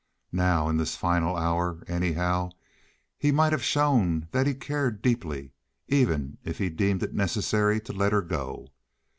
Now, in this final hour, anyhow, he might have shown that he cared deeply, even if he had deemed it necessary to let her go.